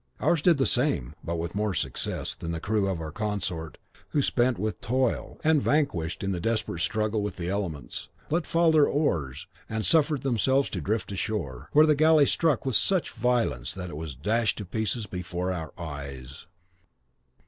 Ours did the same, but with more success than the crew of our consort, who, spent with toil, and vanquished in the desperate struggle with the elements, let fall their oars, and suffered themselves to drift ashore, where the galley struck with such violence that it was dashed to pieces before our eyes.